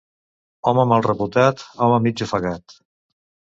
Home mal reputat, home mig ofegat.